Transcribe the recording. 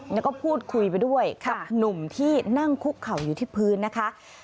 แล้วก็พูดคุยไปด้วยกับหนุ่มที่นั่งคุกเข่าอยู่ที่พื้นนะคะ